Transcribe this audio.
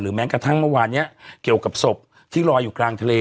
แม้กระทั่งเมื่อวานนี้เกี่ยวกับศพที่ลอยอยู่กลางทะเล